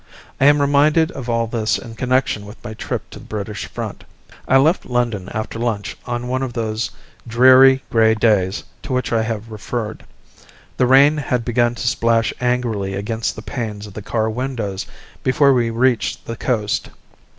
I am reminded of all this in connection with my trip to the British front. I left London after lunch on one of those dreary, grey days to which I have referred; the rain had begun to splash angrily against the panes of the car windows before we reached the coast.